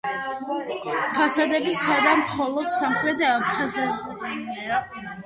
ფასადები სადაა, მხოლოდ სამხრეთ ფასადზეა ცალკეული შემამკობელი ელემენტები.